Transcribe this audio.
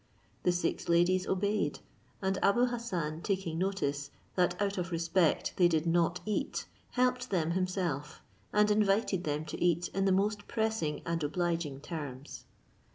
The six ladies obeyed; and Abou Hassan taking notice, that out of respect they did not eat, helped them himself, and invited them to eat in the most pressing and obliging terms.